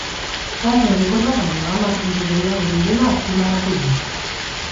Tasa orokorra baino hamar puntu gehiago direla azpimarratu du.